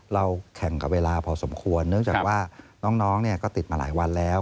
เราแข่งกับเวลาพอสมควรเนื่องจากว่าน้องเนี่ยก็ติดมาหลายวันแล้ว